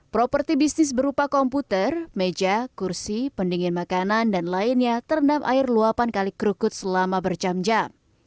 properti bisnis berupa komputer meja kursi pendingin makanan dan lainnya terendam air luapan kali kerukut selama berjam jam